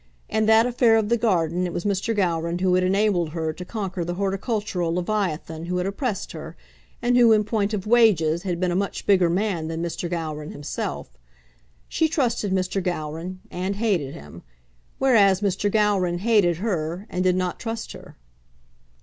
In that affair of the garden it was Mr. Gowran who had enabled her to conquer the horticultural Leviathan who had oppressed her, and who, in point of wages, had been a much bigger man than Mr. Gowran himself. She trusted Mr. Gowran, and hated him, whereas Mr. Gowran hated her, and did not trust her.